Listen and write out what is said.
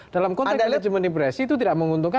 dalam konteks kelejeman impresi itu tidak menguntungkan